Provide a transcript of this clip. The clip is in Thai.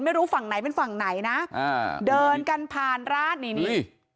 ไม่รู้ฝั่งไหนเป็นฝั่งไหนนะอ่าเดินกันผ่านร้านนี่นี่